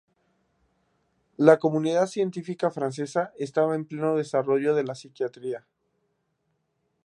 La comunidad científica francesa estaba en pleno desarrollo de la psiquiatría.